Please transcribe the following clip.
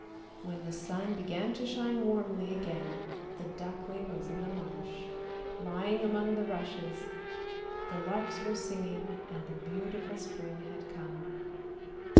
When the sun began to shine warmly again, the duckling was in the marsh, lying among the rushes; the larks were singing and the beautiful spring had come.